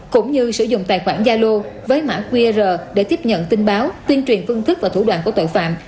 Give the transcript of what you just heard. cũng như sử dụng tài khoản gia lô với mã qr để tiếp nhận tin báo tuyên truyền phương thức và thủ đoạn của tội phạm